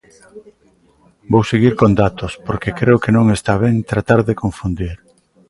Vou seguir con datos, porque creo que non está ben tratar de confundir.